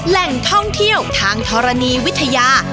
แหล่งท่องเที่ยวทางธรณีวิทยา